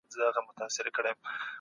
ماشوم ته کیسې ولولئ.